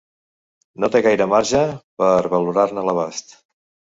No té gaire marge per valorar-ne l'abast.